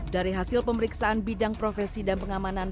dari hasil pemeriksaan bidang profesi dan pengamanan